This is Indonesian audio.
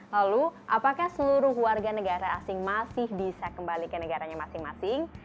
lalu apakah seluruh warga negara asing masih bisa kembali ke negaranya masing masing